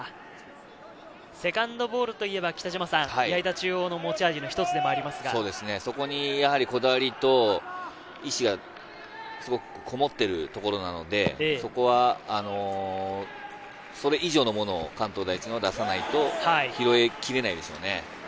セカンドボールといえば矢板中央の持ち味の一つでもありますが、そこにこだわりと意志がこもってるところなので、それ以上のものを関東第一も出さないと拾いきれないですよね。